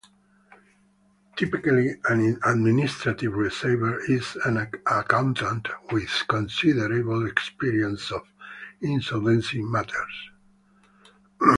Typically, an administrative receiver is an accountant with considerable experience of insolvency matters.